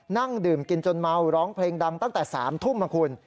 นั่งดื่มกินจนเมาร้องเพลงดังตั้งแต่๓ทุ่มนะคุณ